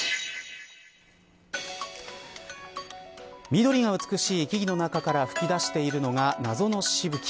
緑が美しい木々の中から吹き出しているのが謎のしぶき。